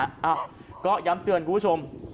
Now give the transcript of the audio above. อ้าวก็ย้ำเตือนคุณผู้ชม